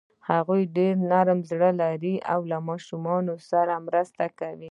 هغوی ډېر نرم زړه لري او له ماشومانو سره مرسته کوي.